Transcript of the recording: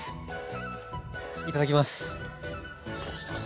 いただきます！